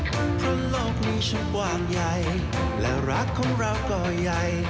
เพราะโลกนี้ฉันกว่างใหญ่และรักของเราก็ใหญ่